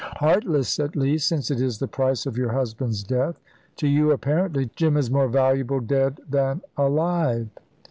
"Heartless, at least, since it is the price of your husband's death. To you, apparently, Jim is more valuable dead than alive."